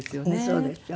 そうですよね。